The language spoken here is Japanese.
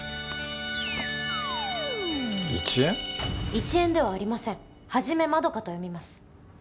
いちえんではありませんはじめまどかと読みます。